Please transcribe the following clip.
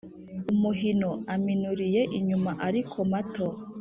umuhino: aminuriye inyuma ariko mato;